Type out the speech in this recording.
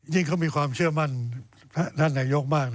เขามีความเชื่อมั่นท่านนายกมาก